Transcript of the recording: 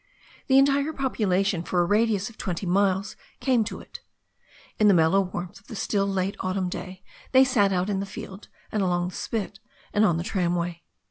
The entire population for a radius of twenty miles came to it. In the mellow warmth of the still late autumn day they sat out in the field, and along the spit, and on the tramway.